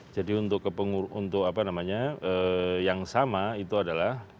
jadi untuk yang sama itu adalah